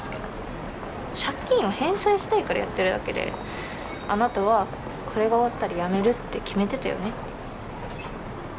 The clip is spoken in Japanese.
借金を返済したいからやってるだけであなたはこれが終わったらやめるって決めてたよね。